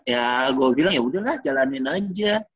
ya gue bilang ya udah lah jalanin aja